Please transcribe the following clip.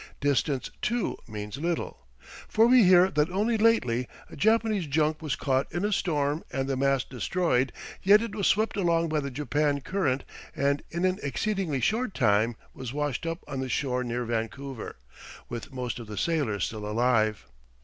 Distance, too, means little, for we hear that only lately a Japanese junk was caught in a storm and the mast destroyed, yet it was swept along by the Japan current and in an exceedingly short time was washed up on the shore near Vancouver, with most of the sailors still alive.